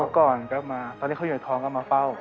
ก่อนก็มาตอนนี้เขาอยู่ทองก็มาเฝ้า